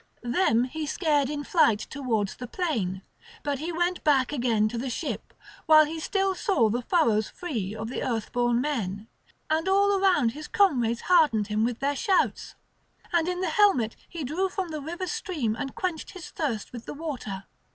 Them he scared in flight towards the plain; but he went back again to the ship, while he still saw the furrows free of the earthborn men. And all round his comrades heartened him with their shouts. And in the helmet he drew from the river's stream and quenched his thirst with the water.